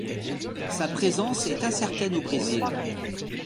Sa présence est incertaine au Brésil.